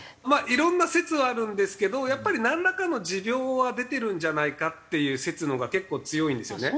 いろんな説はあるんですけどやっぱりなんらかの持病は出てるんじゃないかっていう説のほうが結構強いんですよね。